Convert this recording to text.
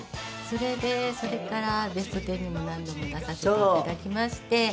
それでそれから『ベストテン』にも何度も出させて頂きまして。